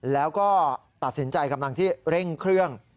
แล้วก็ตัดสินใจกำลังที่เร่งเครื่อง